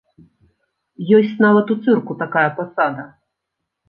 Ёсць нават у цырку такая пасада!